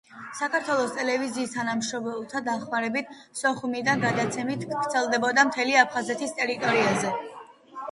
საქართველოს ტელევიზიის თანამშრომელთა დახმარებით სოხუმიდან გადაცემები ვრცელდებოდა მთელი აფხაზეთის ტერიტორიაზე.